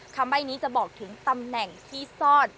ใบ้นี้จะบอกถึงตำแหน่งที่ซ่อน